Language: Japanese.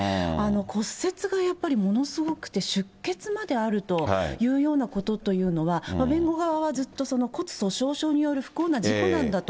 骨折がやっぱりものすごくて、出血まであるというようなことというのは、弁護側はずっと、骨粗しょう症による不幸な事故なんだと。